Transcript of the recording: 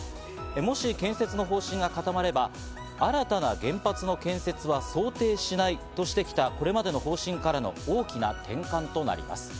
もし建設の方針が固まれば、新たな原発の建設は想定しないとしてきたこれまでの方針からの大きな転換となります。